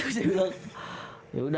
saya bilang yaudah